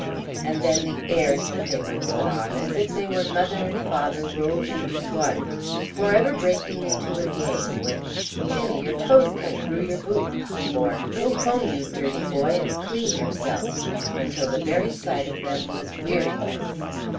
And then the airs that they would put on, as if they were mother and father rolled into one; for ever breaking into a game with "Jimmy, your toe's come through your boot," or "Go home, you dirty boy, and clean yourself," until the very sight of them was weariness.